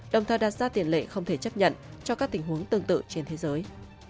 đồng thời đặt ra tiền lệ không thể chấp nhận cho các tình huống tương tự trên thế giới